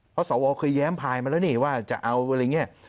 เพราะสวเคยแย้มพายมาแล้วนี่ว่าจะเอาอะไรอย่างนี้